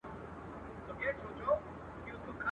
ستا د عدل او انصاف بلا گردان سم.